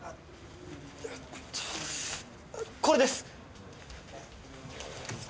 えーっとこれです。